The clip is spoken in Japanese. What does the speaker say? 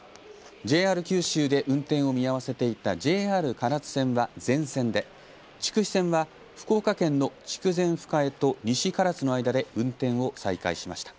ＪＲ九州で運転を見合わせていたＪＲ唐津線は全線で、筑肥線は福岡県の筑前深江と西唐津の間で運転を再開しました。